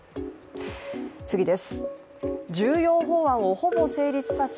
重要法案をほぼ成立させ